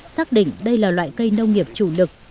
xác định đây là loại cây nông nghiệp chủ lực